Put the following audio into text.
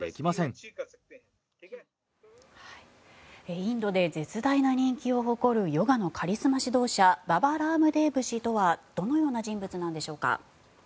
インドで絶大な人気を誇るヨガのカリスマ指導者ババ・ラームデーブ氏とはどのような人物なのでしょうか。